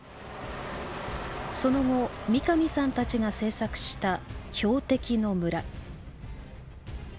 その後三上さんたちが制作した「標的の村」。